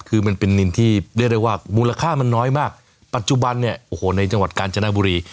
คือมันเป็นนินที่เรียกได้ว่ามูลค่ามันน้อยมากปัจจุบันเนี่ยโอ้โหในจังหวัดกาญจนบุรี